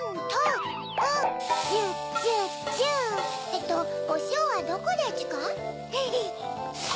えっとおしおはどこでちゅか？